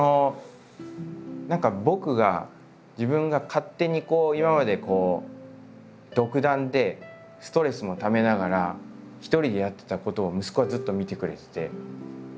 何か僕が自分が勝手に今までこう独断でストレスもためながら一人でやってたことを息子はずっと見てくれてて。